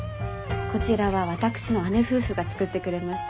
こちらは私の義姉夫婦が作ってくれました。